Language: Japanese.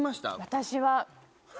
私は。